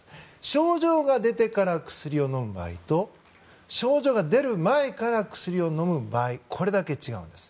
症状が出てから薬を飲む場合と症状が出る前から薬を飲む場合これだけ違うんです。